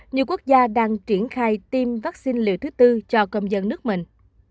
nhiều quốc gia đang triển khai tiêm vaccine liều thứ tư cho công dân nước mình